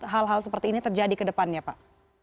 hal hal seperti ini terjadi ke depannya pak